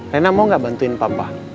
rena mau gak bantuin papa